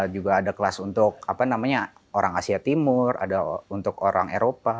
juga ada kelas untuk orang asia timur untuk orang eropa